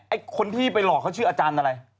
ไอ้คนที่ไปหลอกเขาชื่ออาจารย์อะไร